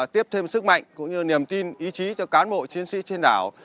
tiếp thêm sức mạnh cũng như niềm tin ý chí cho cán bộ chiến sĩ trên đảo